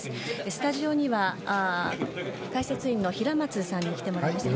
スタジオには解説員の平松さんに来てもらいました。